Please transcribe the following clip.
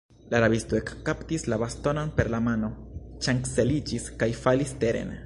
La rabisto ekkaptis la bastonon per la mano, ŝanceliĝis kaj falis teren.